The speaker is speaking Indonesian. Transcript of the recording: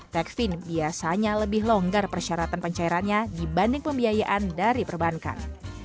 techfin biasanya lebih longgar persyaratan pencairannya dibanding pembiayaan dari perbankan